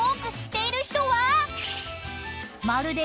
［まるで］